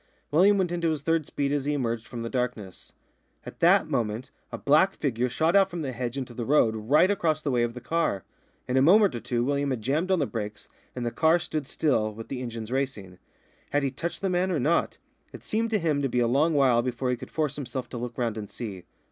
William went into his third speed as he emerged from the darkness. At that moment a black figure shot out from the hedge into the road right across the way of the car. In a moment or two William had jammed on the brakes, and the car stood still, with the engines racing. Had he touched the man or not? It seemed to him to be a long while before he could force himself to look round and see.